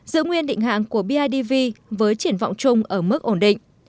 giữ nguyên định hạng của bidv với triển vọng chung ở mức ổn định